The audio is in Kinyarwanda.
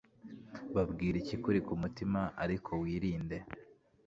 Babwire ikikuri ku mutima ariko wirinde